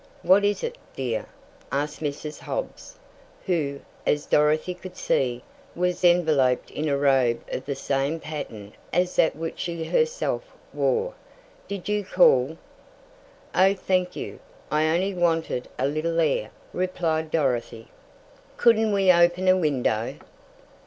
"What is it, dear?" asked Mrs. Hobbs, who, as Dorothy could see, was enveloped in a robe of the same pattern as that which she herself wore. "Did you call?" "Oh, thank you. I only wanted a little air," replied Dorothy. "Couldn't we open a window?"